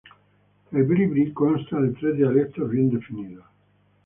El bribri consta de tres dialectos bien definidos.